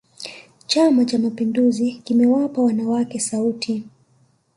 chama cha mapinduzi kimewapa wanawake sauti